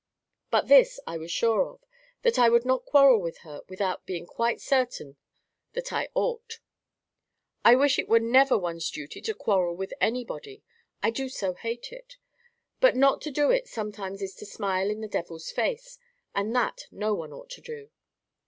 But this I was sure of, that I would not quarrel with her without being quite certain that I ought. I wish it were NEVER one's duty to quarrel with anybody: I do so hate it. But not to do it sometimes is to smile in the devil's face, and that no one ought to do.